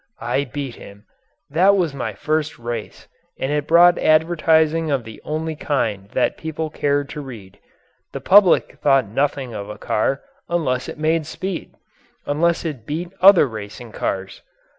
I beat him. That was my first race, and it brought advertising of the only kind that people cared to read. The public thought nothing of a car unless it made speed unless it beat other racing cars.